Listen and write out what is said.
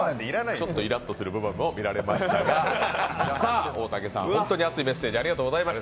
ちょっとイラッとする部分も見られましたが大竹さん、本当に熱いメッセージありがとうございました。